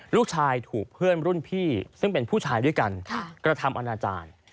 ลูกชายถูกเพื่อนรุ่นพี่ซึ่งเป็นผู้ชายด้วยกันกระทำอนาจารย์